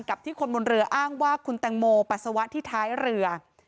ที่คนบนเรืออ้างว่าคุณแตงโมปัสสาวะที่ท้ายเรือ